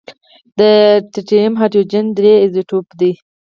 د ټریټیم هایدروجن درې ایزوټوپ دی.